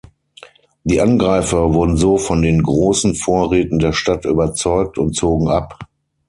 Die Angreifer wurden so von den großen Vorräten der Stadt überzeugt und zogen ab.